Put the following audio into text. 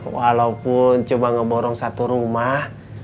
walaupun cuma ngeborong satu rumah